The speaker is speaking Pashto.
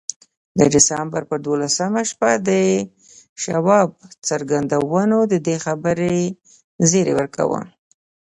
د ډسمبر پر دولسمه شپه د شواب څرګندونو د دې خبرې زيري ورکاوه.